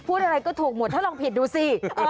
พูดอะไรก็ถูกหมดถ้าลองผิดดูสิ